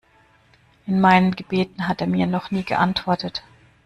In meinen Gebeten hat er mir noch nie geantwortet.